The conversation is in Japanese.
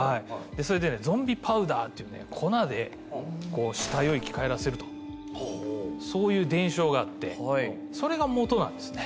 それでゾンビパウダーっていうね粉でこう死体を生き返らせるとそういう伝承があってそれが元なんですね。